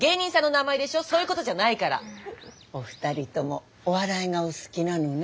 お二人ともお笑いがお好きなのね。